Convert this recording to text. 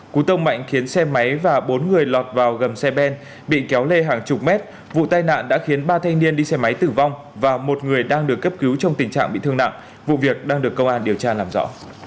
cú tông mạnh khiến xe máy và bốn người lọt vào gầm xe ben bị kéo lê hàng chục mét vụ tai nạn đã khiến ba thanh niên đi xe máy tử vong và một người đang được cấp cứu trong tình trạng bị thương nặng vụ việc đang được công an điều tra làm rõ